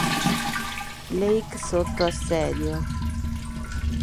Blake sotto assedio!